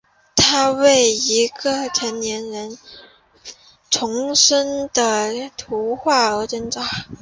他为一个成年人重生的图画而挣扎。